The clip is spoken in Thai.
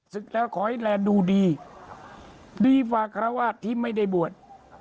ศึกแล้วขอให้แลนดูดีดีกว่าคาราวาสที่ไม่ได้บวช